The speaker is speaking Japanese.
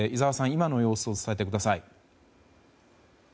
今の様子を伝えてください。